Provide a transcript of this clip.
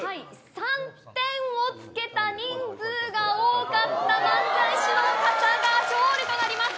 ３点をつけた人数が多かった漫才師の方が勝利となります。